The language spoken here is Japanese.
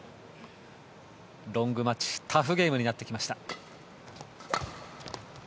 ロングマッチタフゲームになってきました。